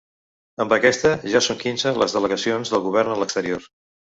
Amb aquesta, ja són quinze les delegacions del govern a l’exterior.